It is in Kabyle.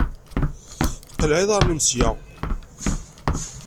Qleɛ iḍaṛṛen-im sya!